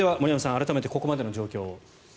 改めてここまでの状況を。